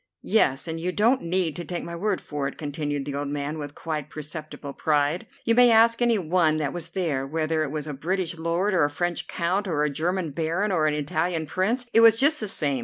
"Yes, and you don't need to take my word for it," continued the old man with quite perceptible pride; "you may ask any one that was there. Whether it was a British Lord, or a French Count, or a German Baron, or an Italian Prince, it was just the same.